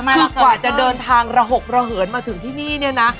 คือกว่าจะเดินทางระหกระเหินมาถึงที่นี่เนี่ยนะ